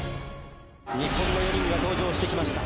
日本の４人が登場してきました